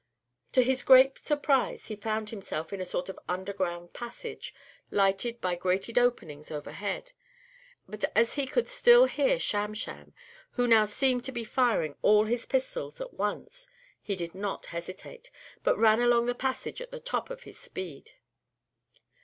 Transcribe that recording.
To his great surprise he found himself in a sort of underground passage, lighted by grated openings overhead; but as he could still hear Sham Sham, who now seemed to be firing all his pistols at once, he did not hesitate, but ran along the passage at the top of his speed.